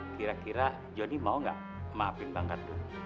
kira kira jonny mau gak maafin bang kardun